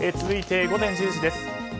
続いて午前１０時です。